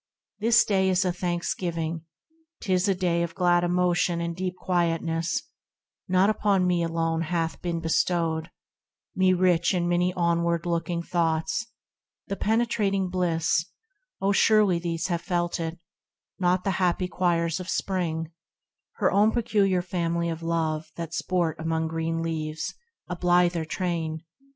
— This day is a thanksgiving, 'tis a day Of glad emotion and deep quietness ; Not upon me alone hath been bestowed, Me rich in many onward looking thoughts, The penetrating bliss ; oh surely these Have felt it, not the happy choirs of spring, Her own peculiar family of love That sport among green leaves, a blither train